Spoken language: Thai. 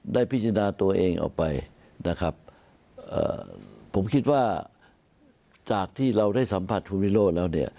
ได้พิจารณาตัวเองออกไปนะครับผมคิดว่าจากที่เราได้สัมผัสคุณวิโรธแล้วเนี่ย